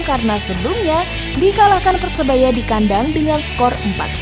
karena sebelumnya dikalahkan persebaya di kandang dengan skor empat satu